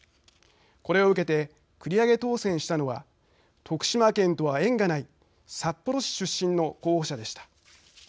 これを受けて繰り上げ当選したのは徳島県とは縁がない札幌市出身の候補者でした。